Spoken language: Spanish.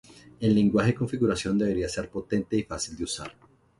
El lenguaje de configuración debería ser potente y fácil de usar.